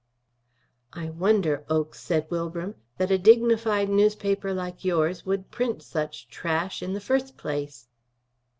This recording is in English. "I wonder, Oakes," said Wilbram, "that a dignified newspaper like yours would print such trash, in the first place."